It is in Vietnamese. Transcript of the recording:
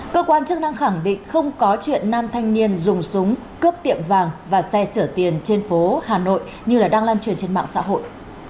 cơ quan chức năng khẳng định không có chuyện nam thanh niên dùng súng cướp tiệm vàng và xe chở tiền trên phố hà nội như đang lan truyền trên mạng xã hội